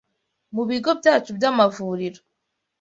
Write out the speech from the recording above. Mu bigo byacu by’amavuriro